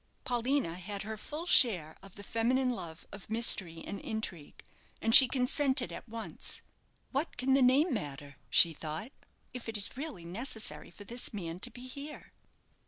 Paulina had her full share of the feminine love of mystery and intrigue, and she consented at once. "What can the name matter," she thought, "if it is really necessary for this man to be here?"